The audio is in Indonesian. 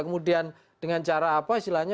kemudian dengan cara apa istilahnya